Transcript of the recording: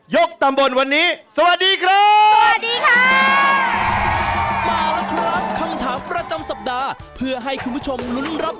ยกตำบลวันนี้สวัสดีครับ